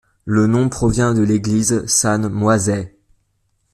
Le nom proviens de l'Église San Moisè.